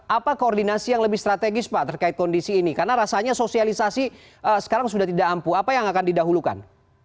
apa koordinasi yang lebih strategis pak terkait kondisi ini karena rasanya sosialisasi sekarang sudah tidak ampuh apa yang akan didahulukan